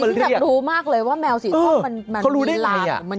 เนี่ยจริงแบบรู้มากเลยว่าแมวสีส้มมันมีอะไรมันยังไง